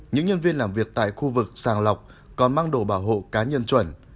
những nhân viên làm việc tại khu vực sàng lọc còn mang đồ bảo hộ cá nhân chuẩn